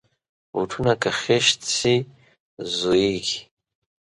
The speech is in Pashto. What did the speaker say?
بوټونه که خیشت شي، زویږي.